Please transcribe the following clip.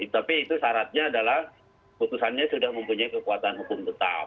tapi itu syaratnya adalah putusannya sudah mempunyai kekuatan hukum tetap